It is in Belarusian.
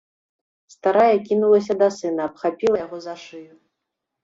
Старая кінулася да сына, абхапіла яго за шыю.